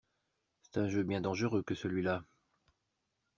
C'est un jeu bien dangereux que celui-là!